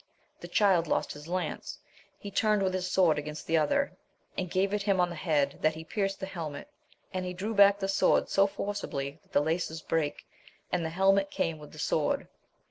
The Child lost his lance ; he turned with his sword against the other, and gave it him on the head that he pierced the helmet, and he drew back the swonl so forcibly that the laces brake, and the helmet cnnu^ with the swonl.